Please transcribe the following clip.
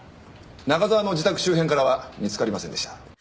中沢の自宅周辺からは見付かりませんでした。